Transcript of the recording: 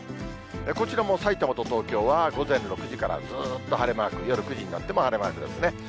こちらもさいたまと東京は午前６時からずっと晴れマーク、夜９時になっても晴れマークですね。